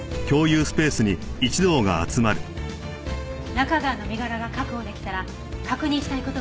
中川の身柄が確保できたら確認したい事があるの。